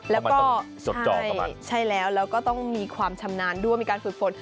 แล้วก็ใช่แล้วแล้วก็ต้องมีความชำนาญด้วยมีการฝึกฝน